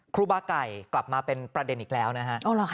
ครูบาไก่กลับมาเป็นประเด็นอีกแล้วนะฮะ